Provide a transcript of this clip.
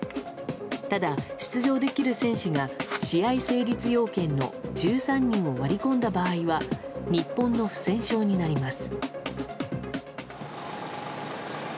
ただ、出場できる選手が試合成立要件の１３人を割り込んだ場合は日本の不戦勝になります。